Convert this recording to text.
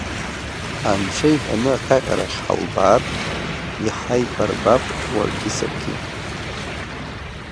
Анцәа иҳәаны аҟьаҟьарахь ҳалбаар, иҳаибарбап уаргьы саргьы.